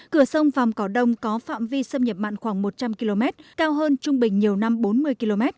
cửa sông vàm cỏ đông có phạm vi xâm nhập mặn khoảng một trăm linh km cao hơn trung bình nhiều năm bốn mươi km